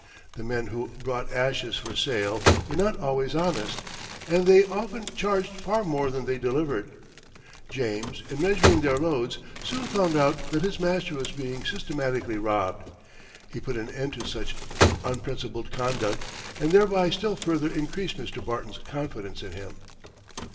The men who brought ashes for sale were not always honest, and they often charged for more than they delivered. James, in measuring their loads, soon found out that his master was being systematically robbed. He put an end to such unprincipled conduct, and thereby still further increased Mr. Barton's confidence in him.